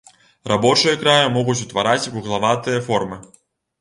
Рабочыя краю могуць утвараць вуглаватыя формы.